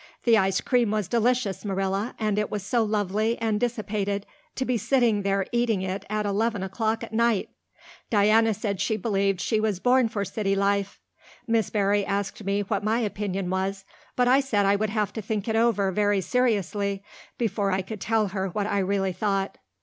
The ice cream was delicious, Marilla, and it was so lovely and dissipated to be sitting there eating it at eleven o'clock at night. Diana said she believed she was born for city life. Miss Barry asked me what my opinion was, but I said I would have to think it over very seriously before I could tell her what I really thought.